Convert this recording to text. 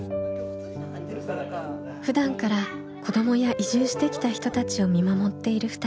ふだんから子どもや移住してきた人たちを見守っている２人。